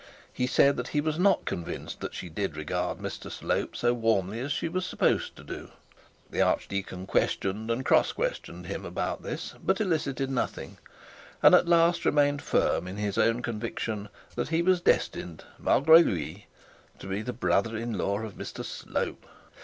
He said that he was not convinced that she did regard Mr Slope so warmly as she was supposed to do. The archdeacon questioned and cross questioned him about this, but elicited nothing; and at least remained firm in his own conviction that he was destined, malgre lui, to be the brother in law of Mr Slope.